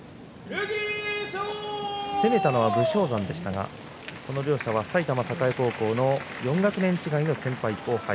攻めたのは武将山でしたが埼玉栄高校の４学年違いの先輩後輩。